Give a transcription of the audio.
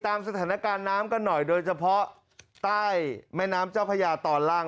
ตามสถานการณ์น้ำกันหน่อยโดยเฉพาะใต้แม่น้ำเจ้าพญาตอนล่าง